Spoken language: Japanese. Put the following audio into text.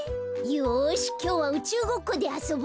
よしきょうはうちゅうごっこであそぼう。